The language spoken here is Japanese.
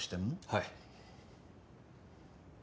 はい。